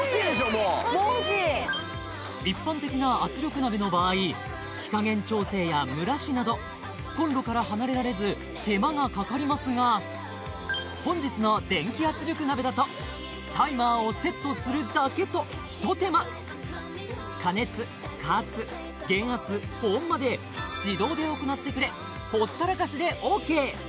もうもう欲しい一般的な圧力鍋の場合火加減調整や蒸らしなどコンロから離れられず手間がかかりますが本日の電気圧力鍋だとタイマーをセットするだけと１手間加熱加圧減圧保温まで自動で行ってくれほったらかしでＯＫ